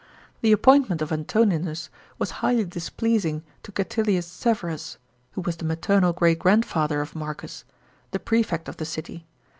Tlie appointment of Antoninus was highly displeasing to Catilius Severus (who was the maternal grear grandfather of Marcus), the prefect of the city.